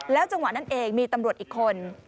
จังหวะนั้นเองมีตำรวจอีกคน